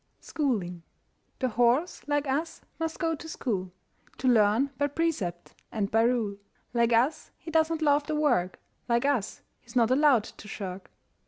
SCHOOLING. The horse, like us, must go to school To learn by precept and by rule. Like us, he does not love the work, Like us, he's not allowed to shirk.